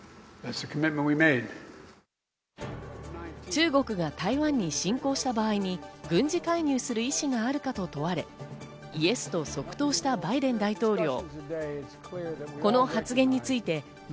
中国が台湾に侵攻した場合に軍事介入する意思があるかと問われ、イエスと即答したバイデン大統領。